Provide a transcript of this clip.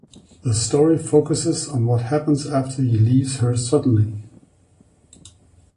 The story focuses on what happens after he leaves her suddenly.